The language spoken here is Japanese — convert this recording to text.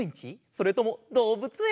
それともどうぶつえん？